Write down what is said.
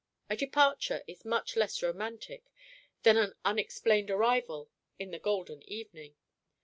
A departure is much less romantic than an unexplained arrival in the golden evening.